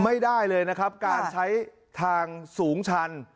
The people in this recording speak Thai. ไม่ได้เลยนะครับการใช้ทางสูงชัน